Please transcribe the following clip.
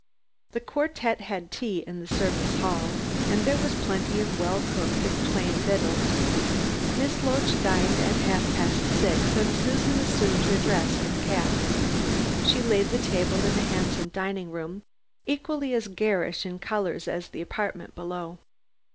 The quartette had tea in the servants' hall, and there was plenty of well cooked if plain victuals. Miss Loach dined at half past six and Susan assumed her dress and cap. She laid the table in a handsome dining room, equally as garish in color as the apartment below.